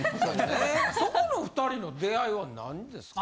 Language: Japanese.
そこの２人の出会いは何ですか？